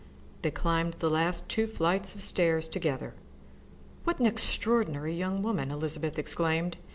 They climbed the last two flights of stairs together. "What an extraordinary young woman!" Elizabeth exclaimed.